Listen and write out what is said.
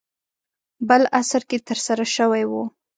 بل عصر کې ترسره شوی و.